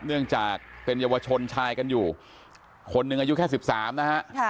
เนื่องจากเป็นเยาวชนชายกันอยู่คนหนึ่งอายุแค่๑๓นะฮะ